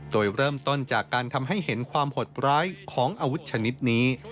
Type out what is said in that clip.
โดยเริ่มต้นจากการทำให้เห็นความหดร้ายของอาวุธชนิดนี้